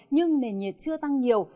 nhưng nền nhiệt chưa tăng nhiều